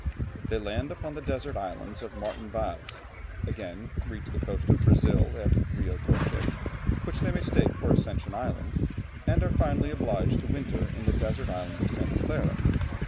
They land upon the desert islands of Martin Vaz, again reach the coast of Brazil at Rio Doce, which they mistake for Ascension Island, and are finally obliged to winter in the desert island of Santa Clara.